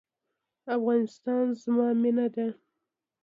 افغانستان زما مینه ده